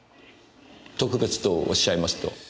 特別とおっしゃいますと？